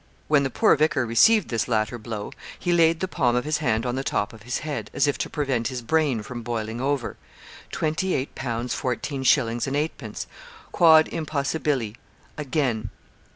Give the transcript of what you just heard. When the poor vicar received this latter blow, he laid the palm of his hand on the top of his head, as if to prevent his brain from boiling over. Twenty eight pounds fourteen shillings and eight pence! Quod impossibile. again.